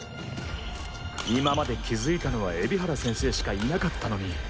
今まで気付いたのは海老原先生しかいなかったのに。